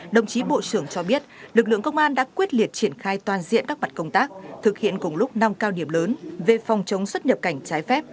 đồng chí bộ trưởng cho biết lực lượng công an đã quyết liệt triển khai toàn diện các mặt công tác thực hiện cùng lúc năm cao điểm lớn về phòng chống xuất nhập cảnh trái phép